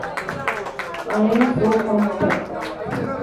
I am so pumped up!